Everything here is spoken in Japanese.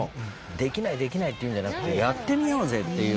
「できないできない」って言うんじゃなくてやってみようぜっていう。